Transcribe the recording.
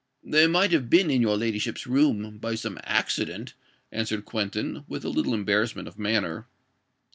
"They might have been in your ladyship's room—by some accident," answered Quentin, with a little embarrassment of manner.